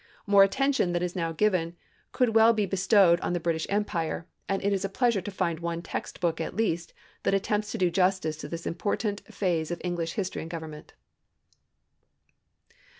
More attention than is now given could well be bestowed on the British empire, and it is a pleasure to find one text book at least that attempts to do justice to this important phase of English history and government.